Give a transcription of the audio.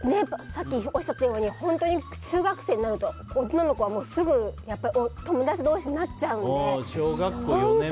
さっきおっしゃったように本当に中学生になると女の子はすぐ友達同士になっちゃうので。